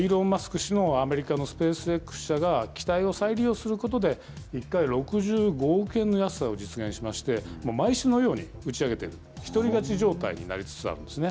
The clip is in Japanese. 氏の、アメリカのスペースＸ社が機体を再利用することで、１回６５億円の安さを実現しまして、毎週のように打ち上げている一人勝ち状態になりつつあるんですね。